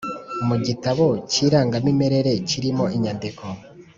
mu gitabo cy Irangamimerere kirimo inyandiko